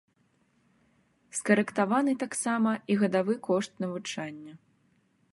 Скарэктаваны таксама і гадавы кошт навучання.